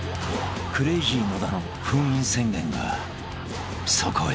［クレイジー野田の封印宣言がそこへ］